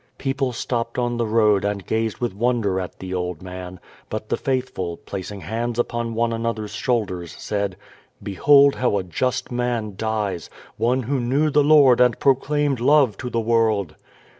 .People stopped on the road and gazed with wonder at the old man, but the faithful, placing hands upon one another's shoulders, said: "Behold how a just man dies, one who knew the Lord and proclaimed love to the world!"